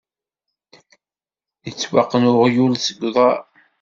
Yettwaqqen uɣyul seg uḍar.